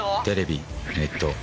テレビネット